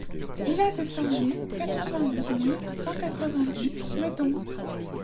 Villa des Sorbiers, quatre-vingt-douze mille cent quatre-vingt-dix Meudon